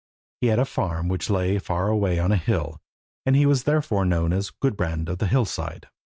He had a farm which lay far away on a hill, and he was therefore known as Gudbrand of the Hillside.